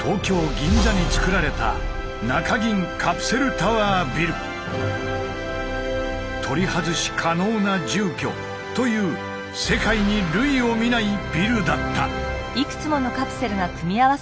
銀座につくられた「取り外し可能な住居」という世界に類を見ないビルだった。